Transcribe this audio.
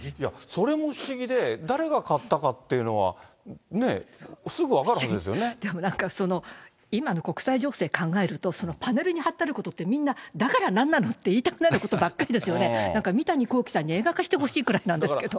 それも不思議で、誰が買ったかっていうのは、でもなんか、その、今の国際情勢考えると、そのパネルに貼ってあることって、みんなだからなんなの？って言いたくなることばっかりですよね、なんか三谷幸喜さんに映画化してほしいくらいなんですけど。